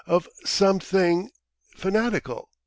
. of something ... fanatical.